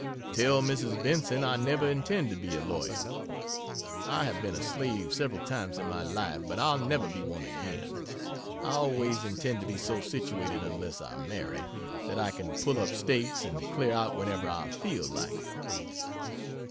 Tell Mrs. Benson I never intend to be a lawyer. I have been a slave several times in my life, but I'll never be one again. I always intend to be so situated (unless I marry,) that I can "pull up stakes" and clear out whenever I feel like it.